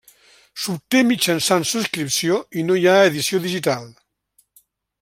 S'obté mitjançant subscripció i no hi ha edició digital.